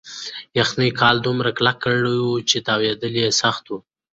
یخنۍ کالي دومره کلک کړي وو چې تاوېدل یې سخت وو.